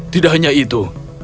tidak hanya itu